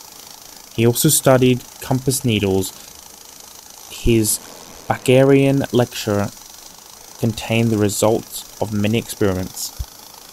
He also studied compass needles, his Bakerian lecture containing the results of many experiments.